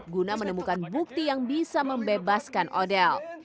guna menemukan bukti yang bisa membebaskan odel